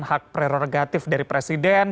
hak prerogatif dari presiden